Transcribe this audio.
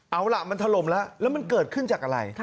เอาล่ะมันถล่มแล้วแล้วมันเกิดขึ้นจากอะไร